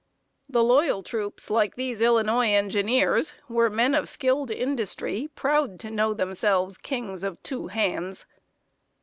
The loyal troops, like these Illinois engineers, were men of skilled industry, proud to know themselves "kings of two hands."